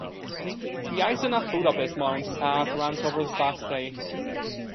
The Eisenach-Budapest mountain path runs over the Bastei.